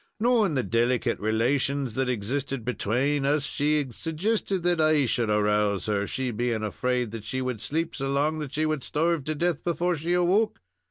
Knowing the delicate relations that existed betwaan us, she suggested that I should arouse her, she being afraid that she would sleep so long that she would starve to death before she awoke.